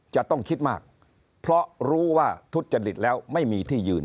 จะต้องคิดมากเพราะรู้ว่าทุจริตแล้วไม่มีที่ยืน